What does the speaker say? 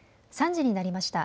３時になりました。